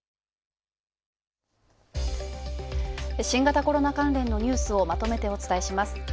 新型コロナ関連のニュースをまとめてお伝えします。